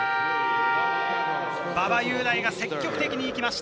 馬場雄大が積極的に行きました。